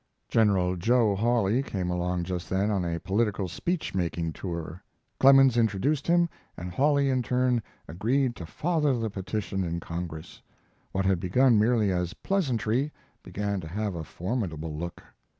General Joe Hawley came along just then on a political speech making tour. Clemens introduced him, and Hawley, in turn, agreed to father the petition in Congress. What had begun merely as pleasantry began to have a formidable look.